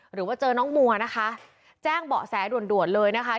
หรือว่าเจอน้องมัวนะคะแจ้งเบาะแสด่วนด่วนเลยนะคะ